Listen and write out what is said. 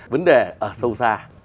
vấn đề ở sâu xa